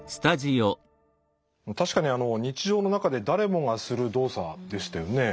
確かに日常の中で誰もがする動作でしたよね。